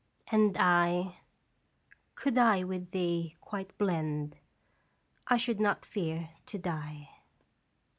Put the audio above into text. And I Could I with thee quite blend, I should not fear to die.